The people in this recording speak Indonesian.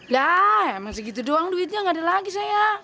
ya emang segitu doang duitnya enggak ada lagi sayang